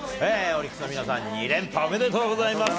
オリックスの皆さん、２連覇おめでとうございます。